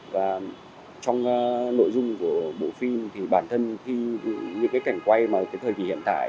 và trong nội dung của bộ phim thì bản thân khi những cảnh quay mà thời kỳ hiện tại